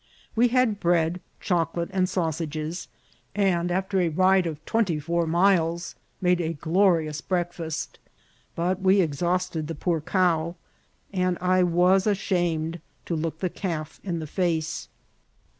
We had bread, choc* ARRIVAL AT THtf PACIPXC. 287 olate, and sausages, and, after a ride of twenty four miles, made a glorious breakfast ; but we exhausted the poor cow, and I was ashamed to look the calf in the face.